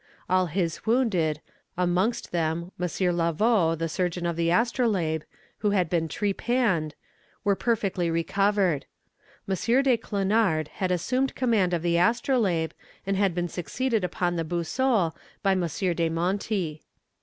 All his wounded, amongst them M. Lavaux, the surgeon of the Astrolabe, who had been trepanned, were perfectly recovered. M. de Clenard had assumed command of the Astrolabe, and had been succeeded upon the Boussole by M. de Monti.